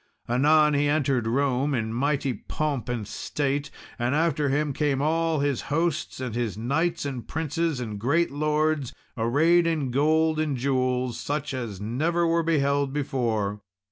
Anon he entered Rome, in mighty pomp and state; and after him came all his hosts, and his knights, and princes, and great lords, arrayed in gold and jewels, such as never were beheld before.